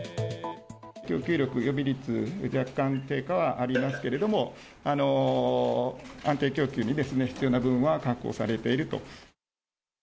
供給力、予備率、若干の低下はありますけれども、安定供給に必要な分は確保されていると。